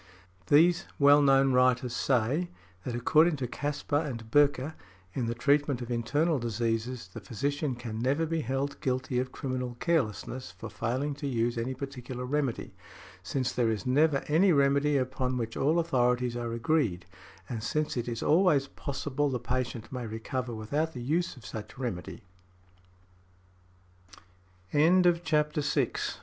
These well known writers say, that according to Caspar and Böcker, in the treatment of internal diseases, the physician can never be held guilty of criminal carelessness for failing to use any particular remedy, since there is never any remedy upon which all authorities are agreed, and since it is always possible the patient may recover without the use of such remedy . |93| CHAPTER VII.